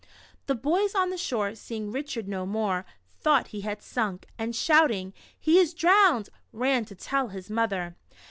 The boys on the shore, seeing Richard no more, thought he had sunk, and shouting He is drowned," ran to tell his mother.